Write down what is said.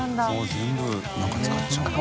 全部何か使っちゃうのか。